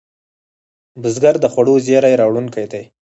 بزګر د خوړو زېری راوړونکی دی